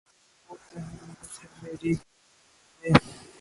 تری یہی اہمیت ہے میری کہانیوں میں